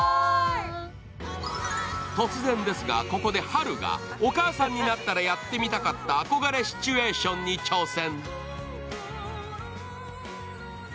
突然ですが、ここではるが、お母さんになったらやってみたかった憧れシチュエーションに挑戦。